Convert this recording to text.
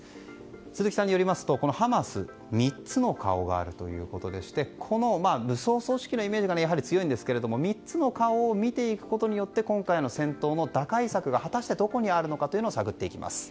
鈴木さんによりますとハマスは３つの顔があるということでしてこの武装組織のイメージがやはり、強いんですけれども３つの顔を見ていくことによって今回の戦闘の打開策が果たして、どこにあるのかを探っていきます。